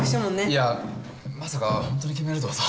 いやまさかホントに決めるとはさ。